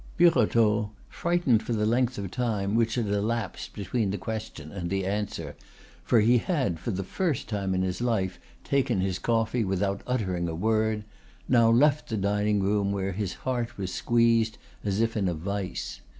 Birotteau, frightened at the length of time which had elapsed between the question and the answer, for he had, for the first time in his life, taken his coffee without uttering a word, now left the dining room where his heart was squeezed as if in a vise.